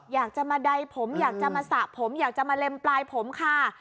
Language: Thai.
อยากจะมาใดผมอยากจะมาสระผมอยากจะมาเล็มปลายผมค่ะ